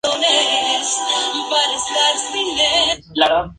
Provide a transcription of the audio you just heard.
Nació en el seno de una familia de artistas, políticos y escritores.